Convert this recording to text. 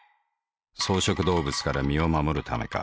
草食動物から身を護るためか。